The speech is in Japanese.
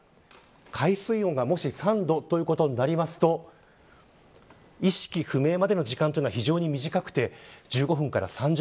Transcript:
海水温がもし３度ということになると意識不明までの時間というのは非常に短くて１５分から３０分。